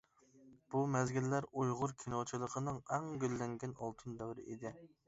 بۇ مەزگىللەر ئۇيغۇر كىنوچىلىقىنىڭ ئەڭ گۈللەنگەن ئالتۇن دەۋرى ئىدى.